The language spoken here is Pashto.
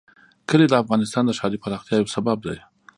کلي د افغانستان د ښاري پراختیا یو سبب دی.